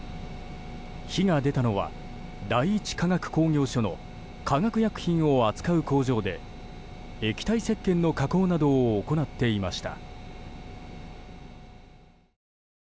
火が出たのは第一化学工業所の化学薬品を扱う工場で液体せっけんの加工などを行っていました。